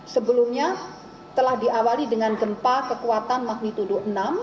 sebelumnya telah diawali dengan gempa kekuatan magnitudo enam